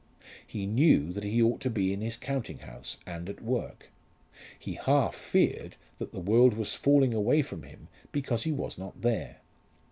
He knew that he ought to be in his counting house and at work. He half feared that the world was falling away from him because he was not there.